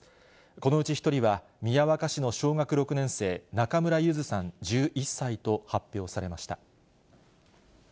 このうち１人は宮若市の小学６年生、中村優杏さん１１歳と発表されました。